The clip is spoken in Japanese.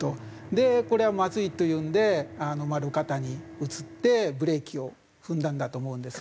でこれはまずいというんで路肩に移ってブレーキを踏んだんだと思うんですが。